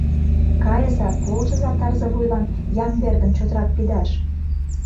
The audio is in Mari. Кайыза, полшыза Тарзывуйлан Ямбердым чотрак пидаш!